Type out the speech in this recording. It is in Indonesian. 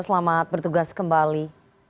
selamat bertugas kembali